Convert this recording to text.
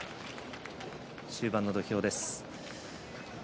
終盤の土俵です。